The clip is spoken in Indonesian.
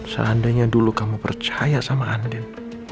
seandainya dulu kamu percaya sama andin